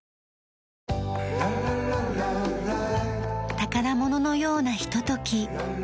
宝物のようなひととき。